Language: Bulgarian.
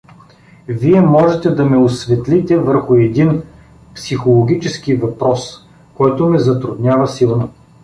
— Вие можете да ме осветлите върху един психологически въпрос, който ме затруднява силно.